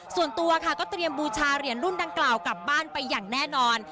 ส่วนตัวค่ะก็เตรียมบูชาเหรียญรุ่นดังกล่าวกลับบ้านไปอย่างแน่นอน